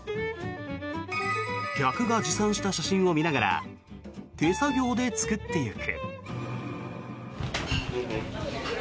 客が持参した写真を見ながら手作業で作っていく。